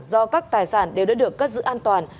do các tài sản đều đã được cất giữ an toàn